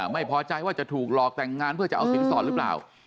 ไม่พอใจว่าจะถูกหลอกแต่งงานเพื่อจะเอาสินสอดหรือเปล่า